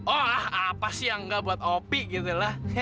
oh apa sih yang enggak buat opi gitu lah